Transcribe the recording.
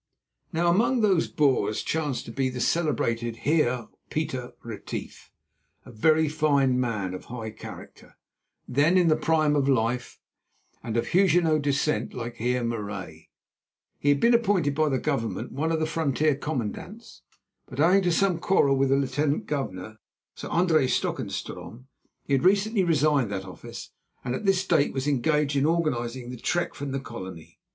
Now among those Boers chanced to be the celebrated Heer Pieter Retief, a very fine man of high character, then in the prime of life, and of Huguenot descent like Heer Marais. He had been appointed by the Government one of the frontier commandants, but owing to some quarrel with the Lieutenant Governor, Sir Andries Stockenstrom, had recently resigned that office, and at this date was engaged in organizing the trek from the Colony.